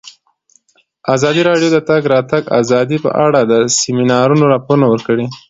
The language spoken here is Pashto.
ازادي راډیو د د تګ راتګ ازادي په اړه د سیمینارونو راپورونه ورکړي.